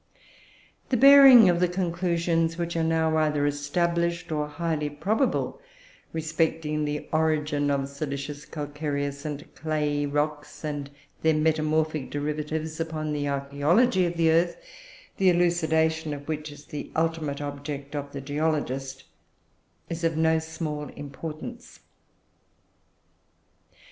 The bearing of the conclusions which are now either established, or highly probable, respecting the origin of silicious, calcareous, and clayey rocks, and their metamorphic derivatives, upon the archaeology of the earth, the elucidation of which is the ultimate object of the geologist, is of no small importance.